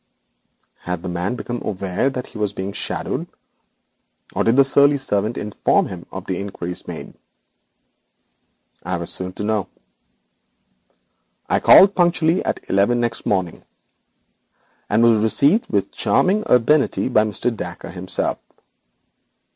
Had the young man become aware that he was being shadowed, or had the surly servant informed him of the inquiries made? I was soon to know. I called punctually at eleven next morning, and was received with charming urbanity by Mr. Dacre himself.